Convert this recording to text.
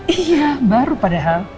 iya baru padahal